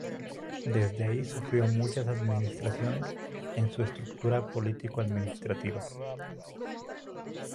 Desde ahí sufrió muchas modificaciones en su estructura político-administrativa.